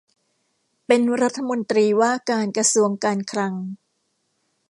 เป็นรัฐมนตรีว่าการกระทรวงการคลัง